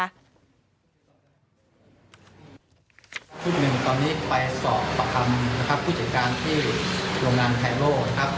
ท่านผู้ชมหนึ่งตอนนี้ไปสอบต่อคำผู้จัดการที่โรงงานไทโลนะครับ